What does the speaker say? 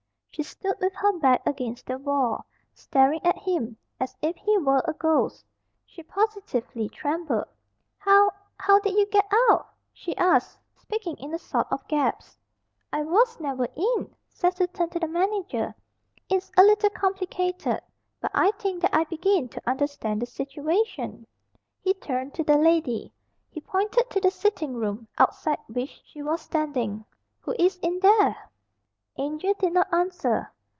She stood with her back against the wall, staring at him as if he were a ghost. She positively trembled. "How how did you get out?" she asked speaking in a sort of gasp. "I was never in." Cecil turned to the manager. "It's a little complicated, but I think that I begin to understand the situation." He turned to the lady. He pointed to the sitting room, outside which she was standing. "Who is in there?" Angel did not answer.